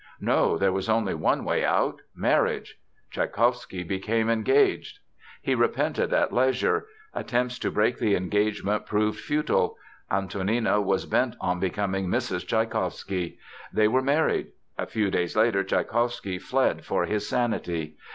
No, there was only one way out—marriage. Tschaikowsky became engaged. He repented at leisure. Attempts to break the engagement proved futile. Antonina was bent on becoming Mrs. Tschaikowsky. They were married. A few days later Tschaikowsky fled for his sanity.